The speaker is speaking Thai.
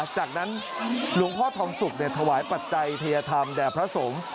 จากนั้นหลวงพ่อทองสุกถวายปัจจัยทัยธรรมแด่พระสงฆ์